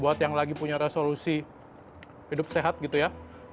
buat yang lagi punya resolusi hidup sehat gitu ya